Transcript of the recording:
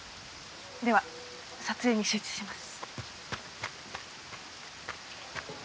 では撮影に集中します。